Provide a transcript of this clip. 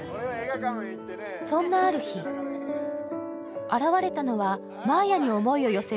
そんなある日現れたのは真綾に思いを寄せる